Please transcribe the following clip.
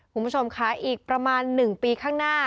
คุณผู้ชมค่ะอีกประมาณ๑ปีข้างหน้า